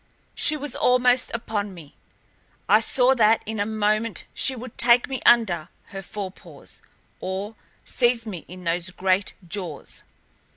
She was almost upon me. I saw that in a moment she would take me under her forepaws, or seize me in those great jaws.